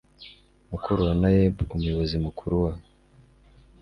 mukuru wa naeb umuyobozi mukuru wa